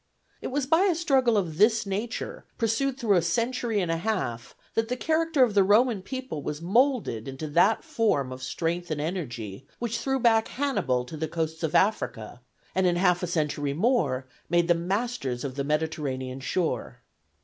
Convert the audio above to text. It was by a struggle of this nature, pursued through a century and a half, that the character of the Roman people was molded into that form of strength and energy, which threw back Hannibal to the coasts of Africa, and in half a century more made them masters of the Mediterranean shore.